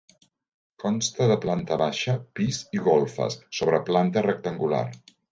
Consta de planta baixa, pis i golfes, sobre planta rectangular.